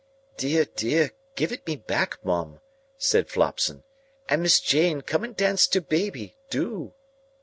"Dear, dear! Give it me back, Mum," said Flopson; "and Miss Jane, come and dance to baby, do!"